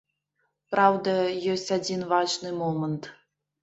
Праўда, ёсць адзін важны момант.